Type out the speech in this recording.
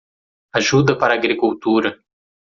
Ajuda para agricultura